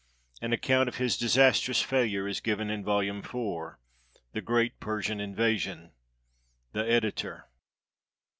An account of his disastrous failure is given in volume iv, " The Great Persian Invasion." The Editor.